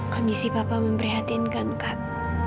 kondisi papa memprihatinkan kak